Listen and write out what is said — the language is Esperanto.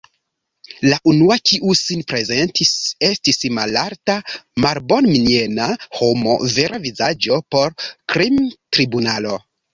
La unua, kiu sin prezentis, estis malalta, malbonmiena homo; vera vizaĝo por krimtribunalo.